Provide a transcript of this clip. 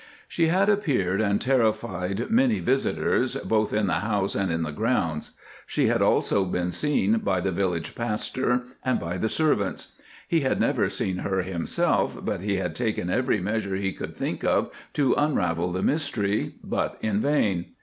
She had appeared and terrified many visitors, both in the house and in the grounds. She had also been seen by the village pastor and by the servants. He had never seen her himself, but he had taken every measure he could think of to unravel the mystery, but in vain.